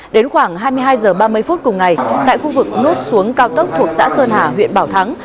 đến khoảng hai mươi hai h ba mươi phút cùng ngày tại khu vực nút xuống cao tốc thuộc xã sơn hà huyện bảo thắng